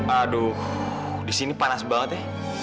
aduh di sini panas banget ya